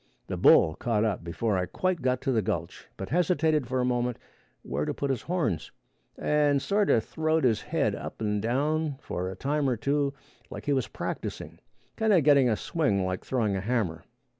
The bull caught up before I quite got to the gulch, but hesitated for a moment where to put his horns, and sort a throwed his head up and down for a time or two, like he was practicing kind a getting a swing like throwing a hammer.